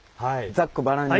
ざっくばらんに。